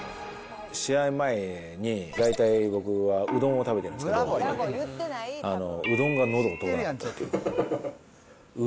試合前に大体、僕はうどんを食べてるんですけど、うどんがのどを通らなかったっていう。